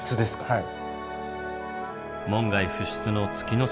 はい。